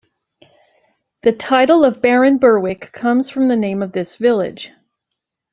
The title of Baron Berwick comes from the name of this village.